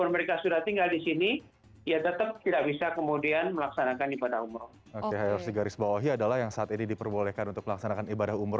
mereka yang sudah empat belas hari memperoleh vaksin yang pertama